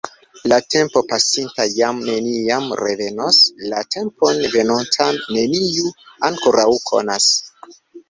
La tempo pasinta jam neniam revenos; la tempon venontan neniu ankoraŭ konas.